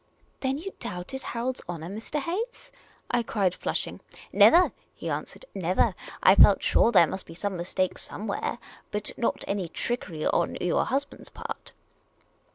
"Then you doubted Harold's honour, Mr. Hayes?" I cried, flushing. " Never !" he answered. " Never ! I felt sure there must be some mistake somewhere, but not any trickery on — your husband's part.